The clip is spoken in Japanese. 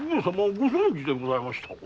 ご存じでございましたか？